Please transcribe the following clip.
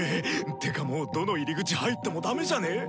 てかもうどの入り口入ってもダメじゃね？